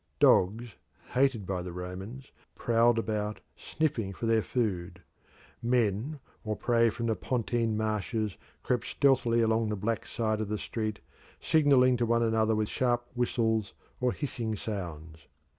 Dogs, hated by the Romans, prowled about sniffing for their food. Men or prey from the Pontine Marshes crept stealthily along the black side of the street signalling to one another with sharp whistles or hissing sounds.